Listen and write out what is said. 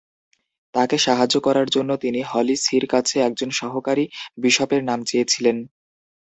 তাকে সাহায্য করার জন্য তিনি হলি সি-র কাছে একজন সহকারি বিশপের নাম চেয়েছিলেন।